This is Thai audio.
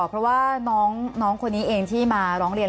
เพราะว่าน้องคนนี้เองที่มาร้องเรียน